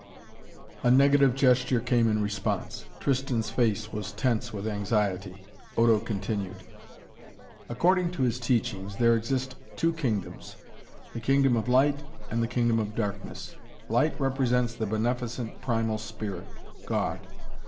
A negative gesture came in response. Tristan's face was tense with anxiety. Odo continued: "According to his teachings there exist two kingdoms: the kingdom of Light and the kingdom of Darkness. Light represents the beneficent primal spirit: God.